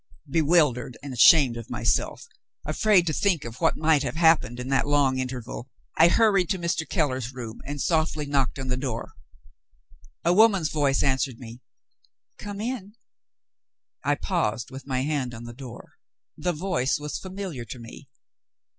Bewildered and ashamed of myself afraid to think of what might have happened in that long interval I hurried to Mr. Keller's room, and softly knocked at the door. A woman's voice answered me, "Come in!" I paused with my hand on the door the voice was familiar to me.